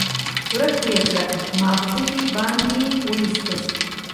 ورک يې کړه؛ ماغزه دې باندې واېستل.